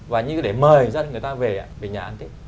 và như để mời dân người ta về nhà ăn tết